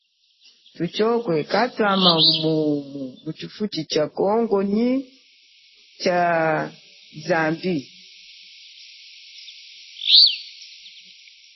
Thutshokwe katwama mu chifuchi cha Angola nyi Zimbabwe nyi Congo nyi Zambie.